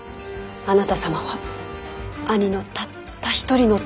あなた様は兄のたった一人の友ですもの。